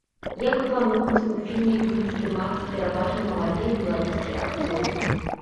Як плануецца, у фільме будуць здымацца пераважна маладыя беларускія акцёры.